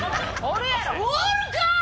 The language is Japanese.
おるかー！